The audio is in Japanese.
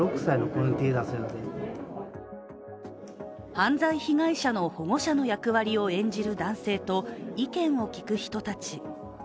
犯罪被害者の保護者の役割を演じる男性と意見を聞く人たち。